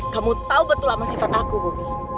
kamu tau betul sama sifat aku bobi